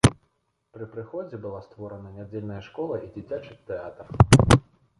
Пры прыходзе была створана нядзельная школа і дзіцячы тэатр.